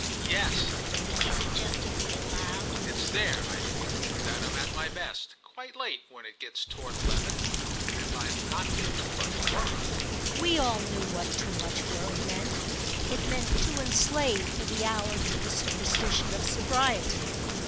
"Yes," he suggestively allowed, "it's there, I think, that I'm at my best; quite late, when it gets toward eleven—and if I've not been too much worried." We all knew what too much worry meant; it meant too enslaved for the hour to the superstition of sobriety.